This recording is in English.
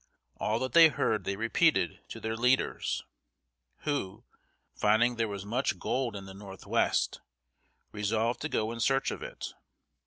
All that they heard they repeated to their leaders, who, finding there was much gold in the northwest, resolved to go in search of it.